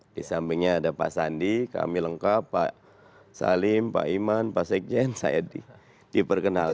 di sampingnya ada pak sandi kami lengkap pak salim pak iman pak sekjen saya diperkenalkan